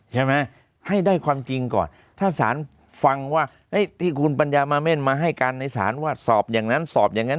ใช่ไหมให้ได้ความจริงก่อนถ้าสารฟังว่าที่คุณปัญญามาเม่นมาให้การในศาลว่าสอบอย่างนั้นสอบอย่างนั้น